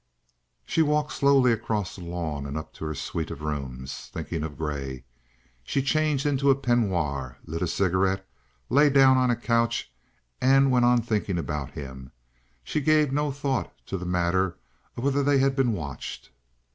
She walked slowly across the lawn and up to her suite of rooms, thinking of Grey. She changed into a peignoir, lit a cigarette, lay down on a couch, and went on thinking about him. She gave no thought to the matter of whether they had been watched.